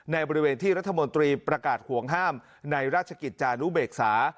ในบริเวณที่รัฐมนตรีประกาศห่วงห้ามในราชกิจจานุเบกษา